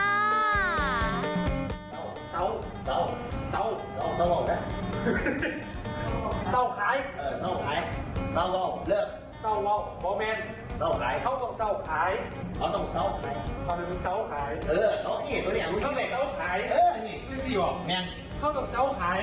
เข้าตกเซลล์ไพร